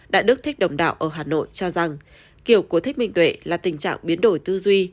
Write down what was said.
đạo đức thích đồng đạo ở hà nội cho rằng kiểu của thích minh tuệ là tình trạng biến đổi tư duy